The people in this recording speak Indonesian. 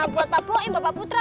buat pak boim bapak putri